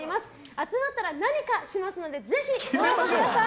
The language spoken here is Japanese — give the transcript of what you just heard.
集まったら何かしますのでぜひご応募ください！